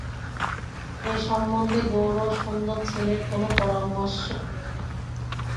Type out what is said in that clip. এ সম্বন্ধে গৌরসুন্দর ছেলের কোনো পরামর্শ লইলেন না।